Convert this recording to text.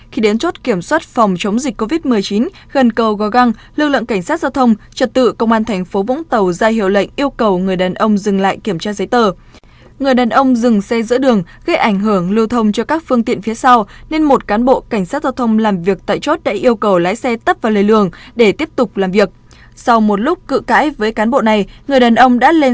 khi đến chốt kiểm soát phòng chống dịch covid một mươi chín gần cầu gò găng lực lượng cảnh sát giao thông trật tự công an tp vũng tàu ra hiệu lệ